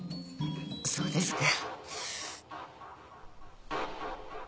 そうですか。